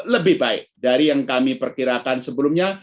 lebih baik dari yang kami perkirakan sebelumnya